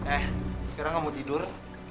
eh sekarang kamu tidur